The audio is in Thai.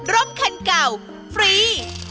รถคันเก่าฟรี